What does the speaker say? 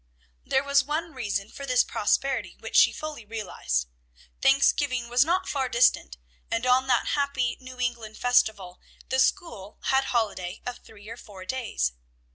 There was one reason for this prosperity which she fully realized. Thanksgiving was not far distant, and on that happy New England festival, the school had a holiday of three or four days.